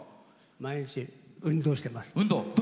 毎日運動してます。